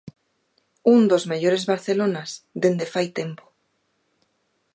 Un dos mellores Barcelonas dende fai tempo.